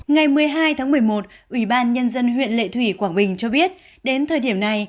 ngày một mươi hai tháng một mươi một ủy ban nhân dân huyện lệ thủy quảng bình cho biết đến thời điểm này